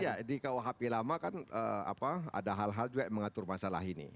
ya di kuhp lama kan ada hal hal juga yang mengatur masalah ini